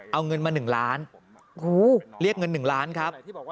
เอาเงินมา๑ล้านเรียกเงิน๑ล้านครับ